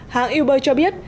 hãng uber cho biết